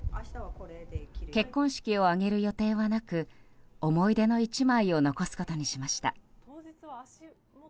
結婚式を挙げる予定はなく思い出の一枚を残すことにしました。